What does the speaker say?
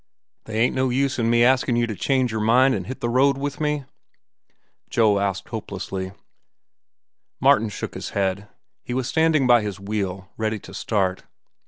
"They ain't no use in me askin' you to change your mind an' hit the road with me?" Joe asked hopelessly: Martin shook his head. He was standing by his wheel, ready to start.